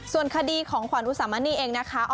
ส่วนคดีของขวัญอุสามณีเองนะคะ